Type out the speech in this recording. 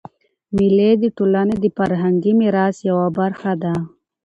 مېلې د ټولني د فرهنګي میراث یوه برخه ده.